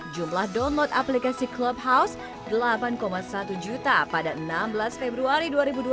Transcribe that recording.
jumlah download aplikasi clubhouse delapan satu juta pada enam belas februari dua ribu dua puluh